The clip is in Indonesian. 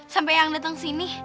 sampai yang datang sini